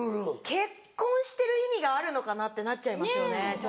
結婚してる意味があるのかなってなっちゃいますよね。